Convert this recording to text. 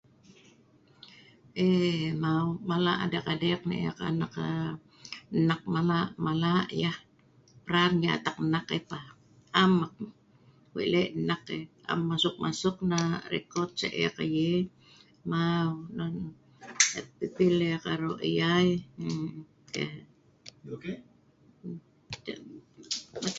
um maw mala’ adeek-adeek nah eek, an eek nnaak mala’ - mala’ yeh. Pran nah atah eek nnaak yeh pah yi. Maw, et le’ eek aroq yeh yai. Am masuk-masuk nah rekod si’ eek ai yi. Maw, nonoh. Et pi-pi le’ eek aroq yeh yai. Okay